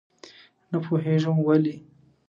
نه پوهېږم ولې.